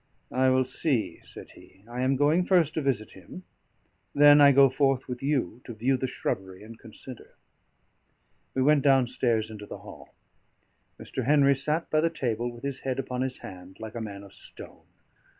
"I will see," said he. "I am going first to visit him; then I go forth with you to view the shrubbery and consider." We went downstairs into the hall. Mr. Henry sat by the table with his head upon his hand, like a man of stone.